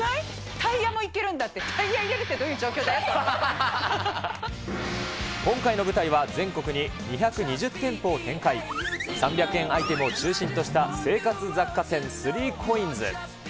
タイヤ入れるってどういう状況だ今回の舞台は、全国に２２０店舗を展開、３００円アイテムを中心とした生活雑貨店、３コインズ。